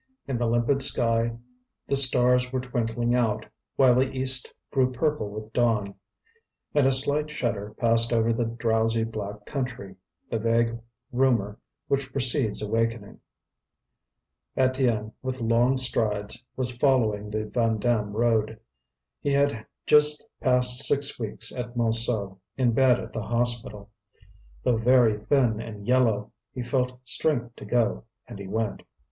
In the limpid sky the stars were twinkling out, while the east grew purple with dawn. And a slight shudder passed over the drowsy black country, the vague rumour which precedes awakening. Étienne, with long strides, was following the Vandame road. He had just passed six weeks at Montsou, in bed at the hospital. Though very thin and yellow, he felt strength to go, and he went.